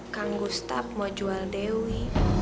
kang gustap mau jual dewi